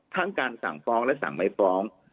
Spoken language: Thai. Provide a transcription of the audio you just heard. ทั้งการสั่งฟ้องและสั่งไม่ฟ้อง